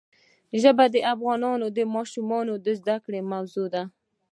ژبې د افغان ماشومانو د زده کړې موضوع ده.